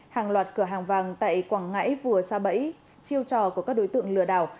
hàng loạt cửa hàng vàng tại quảng ngãi vừa xa bẫy chiêu trò của các đối tượng lừa đảo